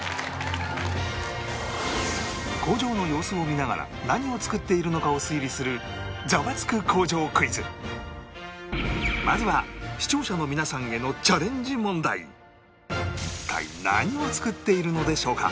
工場の様子を見ながら何を作っているのかを推理するまずは視聴者の皆さんへの一体何を作っているのでしょうか？